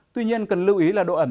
tuy nhiên cần lưu ý là độ ẩm